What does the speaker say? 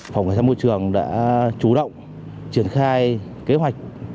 phòng cảnh sát môi trường đã chủ động triển khai kế hoạch